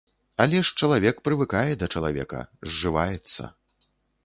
Але ж чалавек прывыкае да чалавека, зжываецца.